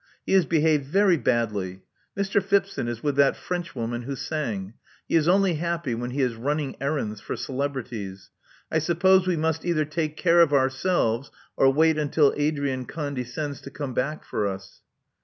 He has behaved very badly. Mr. Phipson is with that Frenchwoman who sang. He is only happy when he is running errands for celebrities. I suppose we must either take care of ourselves, or wait until Adrian ^ con descends to come back for us."